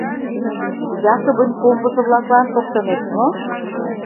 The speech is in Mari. — Якобын комбыжо-влаклан шоктынешт мо?